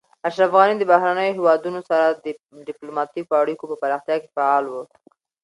اشرف غني د بهرنیو هیوادونو سره د ډیپلوماتیکو اړیکو په پراختیا کې فعال و.